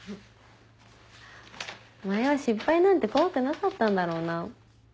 前は失敗なんて怖くなかったんだろうな。